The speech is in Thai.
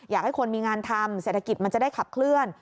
อยากให้คนมีงานทำเศรษฐกิจมันจะได้ขับเคลื่อน